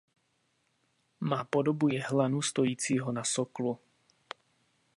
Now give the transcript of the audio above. Má podobu jehlanu stojícího na soklu.